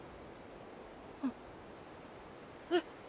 あっえっ？